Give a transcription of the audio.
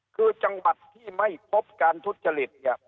คือจังหวัดที่ไม่พบการทุจริตเนี่ย